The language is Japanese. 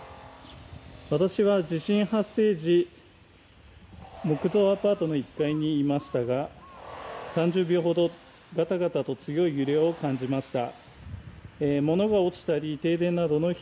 私は地震発生時、木造アパートの１階にいましたが３０秒ほどガタガタと強い揺れを感じました。